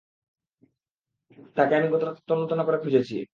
তাকে আমি গত রাতে তন্ন তন্ন করে খুঁজেছি!